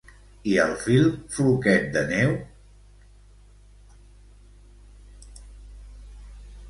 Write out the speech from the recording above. I al film Floquet de neu?